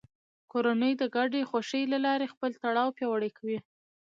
کورنۍ د ګډې خوښۍ له لارې خپل تړاو پیاوړی کوي